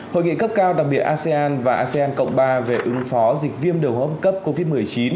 hội nghị cấp cao đặc biệt asean và asean cộng ba về ứng phó dịch viêm đường hô hấp cấp covid một mươi chín